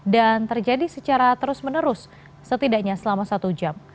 dan terjadi secara terus menerus setidaknya selama satu jam